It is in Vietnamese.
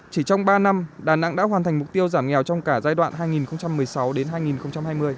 chỉ trong ba năm đà nẵng đã hoàn thành mục tiêu giảm nghèo trong cả giai đoạn hai nghìn một mươi sáu đến hai nghìn hai mươi